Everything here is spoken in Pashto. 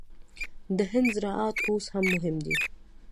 د هند زراعت اوس هم مهم دی.